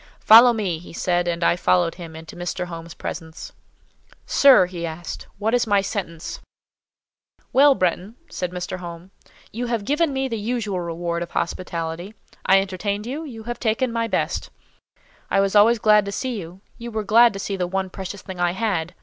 "Follow me!" he said; and I followed him into Mr. Home's presence. "Sir," he asked, "what is my sentence?" The father looked at him: the daughter kept her face hid. "Well, Bretton," said Mr. Home, "you have given me the usual reward of hospitality. I entertained you; you have taken my best. I was always glad to see you; you were glad to see the one precious thing I had.